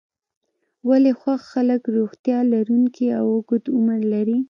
ولې خوښ خلک روغتیا لرونکی او اوږد عمر لري.